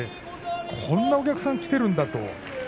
こんなお客さん来ているんだと。